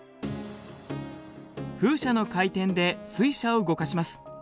風車の回転で水車を動かします。